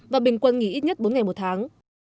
và bình quân nghỉ ít nhất bốn ngày một tháng